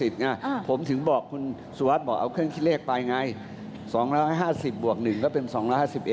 แต่ประเด็นคือเขามีเอกสิทธิ์ด้วยนะคะ